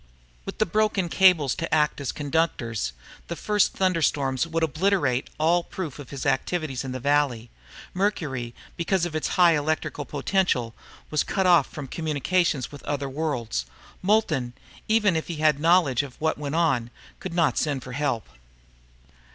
With the broken cables to act as conductors, the first thunderstorm would obliterate all proof of his activities in this valley. Mercury, because of its high electrical potential, was cut off from communication with other worlds. Moulton, even if he had knowledge of what went on, could not send for help.